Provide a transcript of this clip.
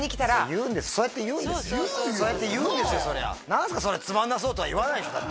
「何すかそれつまんなそう」とは言わないでしょ